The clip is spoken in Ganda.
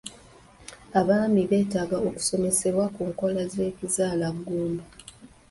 Abaami beetaaga okusomesebwa ku nkola z'ekizaala ggumba.